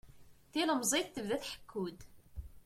Tilemẓit tebda tḥekku-d.